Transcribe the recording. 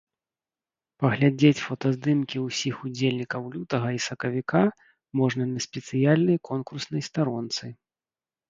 Паглядзець фотаздымкі ўсіх удзельнікаў лютага і сакавіка можна на спецыяльнай конкурснай старонцы.